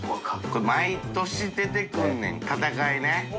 これ毎年出てくるねん戦いね。